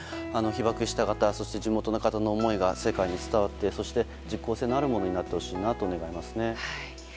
被爆した方そして地元の方の思いが世界に伝わってそして実効性のあるものになってほしいなと願いますね。